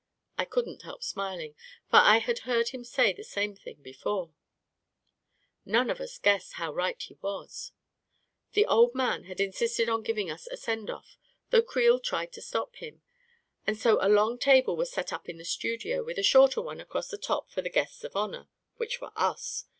I couldn't help smiling, for I had heard him say the same thing before ! None of us guessed how right he was I The old man had insisted on giving us a send off, though Creel tried to stop him; and so a long table was set up in the studio, with a shorter one across the top for the guests of honor — r which were us